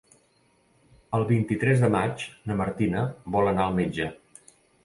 El vint-i-tres de maig na Martina vol anar al metge.